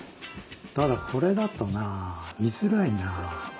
ただこれだとなあ見づらいなあ。